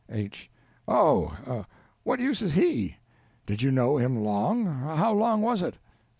H. Oh, what use is_ he_? Did you know him long? How long was it?